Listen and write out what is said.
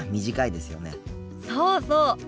そうそう。